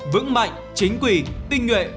vững mạnh chính quỷ tinh nguyện